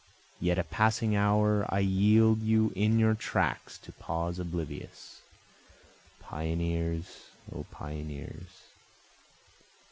Yet a passing hour I yield you in your tracks to pause oblivious, Pioneers! O pioneers!